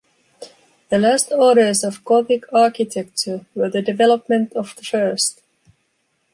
The last orders of Gothic architecture were the development of the first.